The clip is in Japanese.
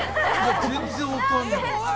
全然わかんない。